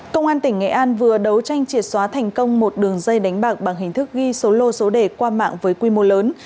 công an tỉnh nghệ an vừa đấu tranh triệt xóa thành công một đường dây đánh bạc bằng hình thức ghi số lô số đề qua mạng với quy mô lớn